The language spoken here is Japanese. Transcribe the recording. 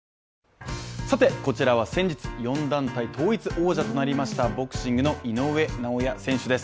さて、こちらは先日４団体統一王者となりましたボクシングの井上尚弥選手です。